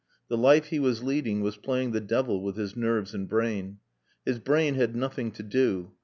The life he was leading was playing the devil with his nerves and brain. His brain had nothing to do.